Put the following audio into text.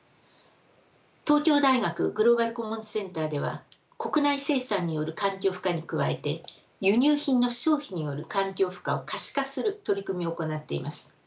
東京大学グローバル・コモンズ・センターでは国内生産による環境負荷に加えて輸入品の消費による環境負荷を可視化する取り組みを行っています。